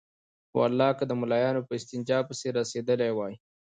په والله که د ملايانو په استنجا پسې رسېدلي وای.